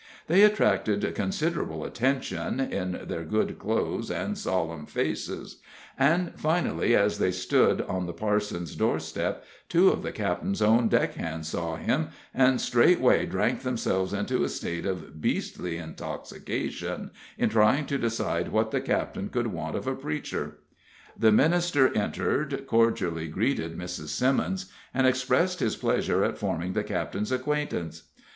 They attracted considerable attention, in their good clothes and solemn faces, and finally, as they stood on the parson's doorstep, two of the captain's own deckhands saw him, and straightway drank themselves into a state of beastly intoxication in trying to decide what the captain could want of a preacher. The minister entered, cordially greeted Mrs. Simmons, and expressed his pleasure at forming the captain's acquaintance.